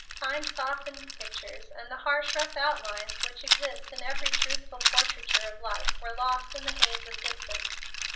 Time softened the pictures, and the harsh, rough outlines which exist in every truthful portraiture of life were lost in the haze of distance.